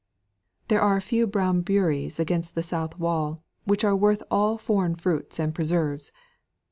"There are a few brown beurrés against the south wall which are worth all foreign fruits and preserves.